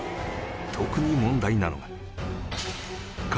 特に問題なのが